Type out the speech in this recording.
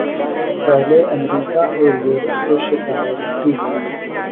پہلے امریکہ اور یورپ کو شکایت تھی۔